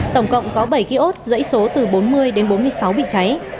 tổng cộng có bảy ký ốt dãy số từ bốn mươi đến bốn mươi sáu bị cháy